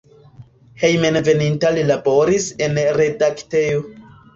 Hejmenveninta li laboris en redaktejo.